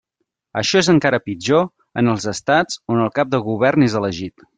Això és encara pitjor en els Estats on el cap de govern és elegit.